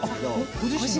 ご自身の？